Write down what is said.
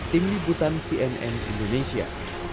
tim liputan cnn indonesia